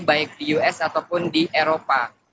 baik di us ataupun di eropa